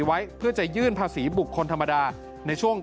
โทษภาพชาวนี้ก็จะได้ราคาใหม่